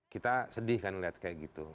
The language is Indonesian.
kita sedih kan lihat kayak gitu